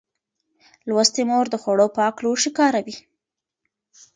لوستې مور د خوړو پاک لوښي کاروي.